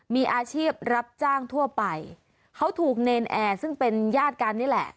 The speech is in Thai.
มีอาชีพรับจ้างทั่วไปเขาถูกเนรนแอร์ซึ่งเป็นญาติกันนี่แหละ